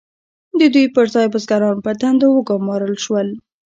د دوی پر ځای بزګران په دندو وګمارل شول.